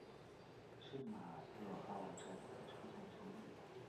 圣马特奥站的车站之一。